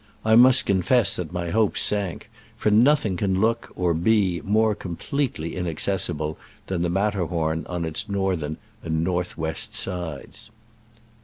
I must confess that my hopes sank, for nothing can look, or be, more completely inaccessible than the Matterhorn on its northern and north west sides.